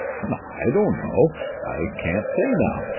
"I don't know; I can't say now.